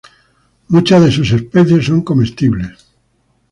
Muchas de sus especies son comestibles.